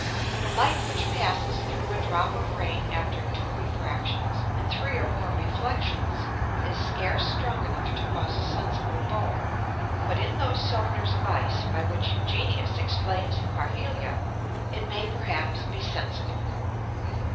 The Light which passes through a drop of Rain after two Refractions, and three or more Reflexions, is scarce strong enough to cause a sensible Bow; but in those Cylinders of Ice by which Hugenius explains the Parhelia, it may perhaps be sensible.